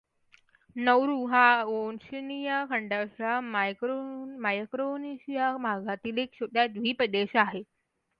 Nauru हा Oceania खंडाच्या मायक्रोनेशिया भागातील एक छोटा द्वीप देश आहे.